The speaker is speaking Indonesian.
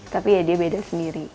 tapi ya dia beda sendiri